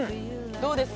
どうですか？